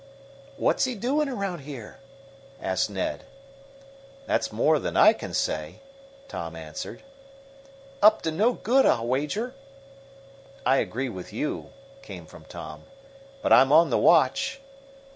"What's he doing around here?" asked Ned. "That's more than I can say," Tom answered. "Up to no good, I'll wager!" "I agree with you," came from Tom. "But I'm on the watch."